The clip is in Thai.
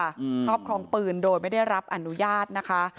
ครอบครองปืนโดยไม่ได้รับอนุญาตนะคะ